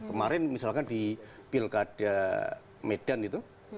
kemarin misalkan di pilkada medan itu